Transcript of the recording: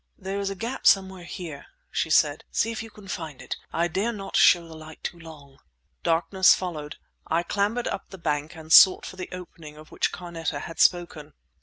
"There is a gap somewhere here!" she said. "See if you can find it. I dare not show the light too long." Darkness followed. I clambered up the bank and sought for the opening of which Carneta had spoken.